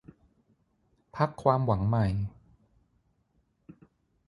พรรคความหวังใหม่